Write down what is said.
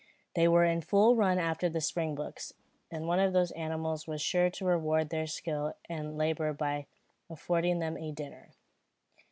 They were in full run after the springboks, and one of those animals was sure to reward their skill and labour by affording them a dinner.